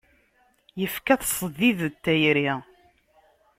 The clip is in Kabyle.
Yekfa-t ṣṣdid n tayri.